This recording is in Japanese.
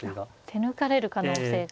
手抜かれる可能性が。